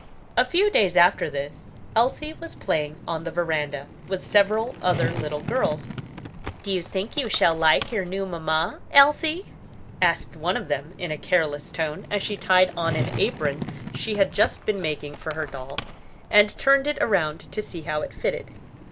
A few days after this, Elsie was playing on the veranda, with several other little girls. "Do you think you shall like your new mamma, Elsie?" asked one of them in a careless tone, as she tied on an apron she had just been making for her doll, and turned it around to see how it fitted.